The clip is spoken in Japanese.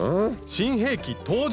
新兵器登場！